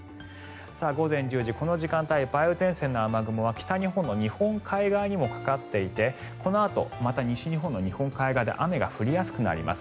午前１０時この時間帯、梅雨前線の雨雲は北日本の日本海側にもかかっていてこのあとまた西日本の日本海側で雨が降りやすくなります。